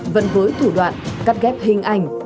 vẫn với thủ đoạn cắt ghép hình ảnh